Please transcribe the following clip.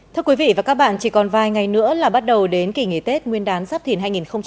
thưa quý vị và các bạn chỉ còn vài ngày nữa là bắt đầu đến kỷ nghỉ tết nguyên đán giáp thìn hai nghìn hai mươi bốn